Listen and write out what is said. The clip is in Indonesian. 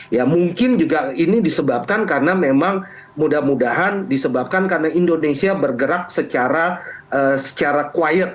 ya mungkin juga ini disebabkan karena memang mudah mudahan disebabkan karena indonesia bergerak secara quiet